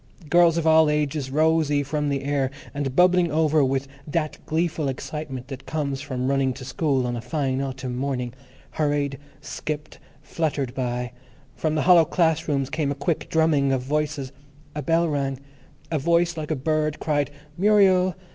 Girls of all ages, rosy from the air, and bubbling over with that gleeful excitement that comes from running to school on a fine autumn morning, hurried, skipped, fluttered by; from the hollow class rooms came a quick drumming of voices; a bell rang; a voice like a bird cried, "Muriel."